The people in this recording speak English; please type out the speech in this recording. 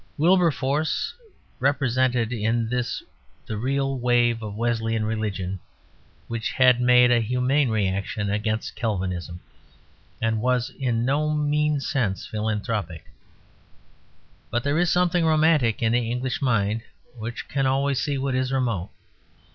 Wilberforce represented in this the real wave of Wesleyan religion which had made a humane reaction against Calvinism, and was in no mean sense philanthropic. But there is something romantic in the English mind which can always see what is remote.